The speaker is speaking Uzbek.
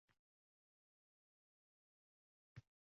Odamlar chidamas ekan